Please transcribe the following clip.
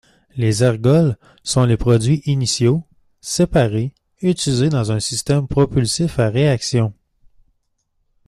Les ergols sont les produits initiaux, séparés, utilisés dans un système propulsif à réaction.